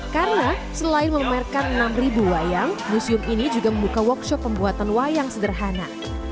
karena selain memerkan enam ribu wayang museum ini juga membuka workshop pembuatan wayang sederhana